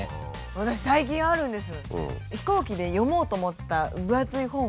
私最近あるんです。